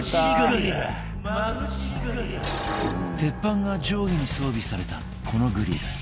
鉄板が上下に装備されたこのグリル。